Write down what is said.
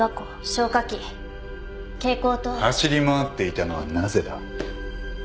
走り回っていたのはなぜだ？